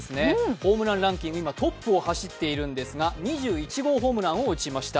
ホームランランキング、今トップを走っているんですが、２１号ホームランを打ちました。